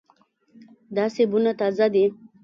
دا سیبونه تازه دي.